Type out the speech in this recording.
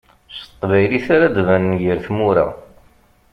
S teqbaylit ara d-banen gar tmura.